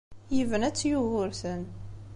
Yebna-tt Yugurten.